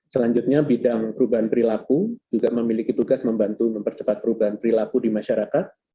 selanjutnya bidang perubahan perilaku juga memiliki tugas membantu mempercepat perubahan perilaku di masyarakat